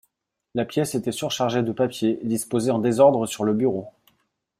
La pièce était surchargée de papiers, disposés en désordre sur le bureau